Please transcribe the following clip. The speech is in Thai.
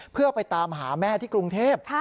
เพื่อไปตามหาแม่ที่กรุงเทพ